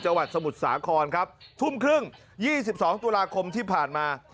จังหวัดสมุทรสาครครับทุ่มครึ่งยี่สิบสองตุลาคมที่ผ่านมา